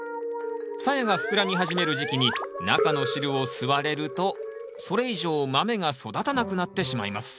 さやが膨らみ始める時期に中の汁を吸われるとそれ以上豆が育たなくなってしまいます。